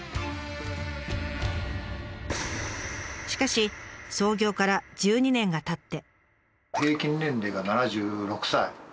しかし創業から１２年がたって。